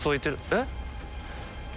えっ？